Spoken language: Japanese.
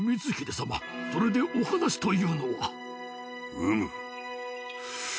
うむ。